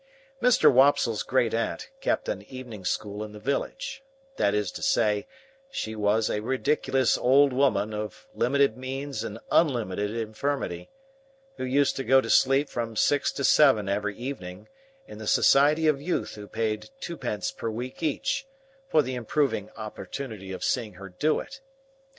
Mr. Wopsle's great aunt kept an evening school in the village; that is to say, she was a ridiculous old woman of limited means and unlimited infirmity, who used to go to sleep from six to seven every evening, in the society of youth who paid two pence per week each, for the improving opportunity of seeing her do it.